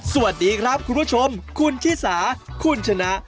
สวัสดีครับคุณผู้ชมคุณชิสาคุณชนะ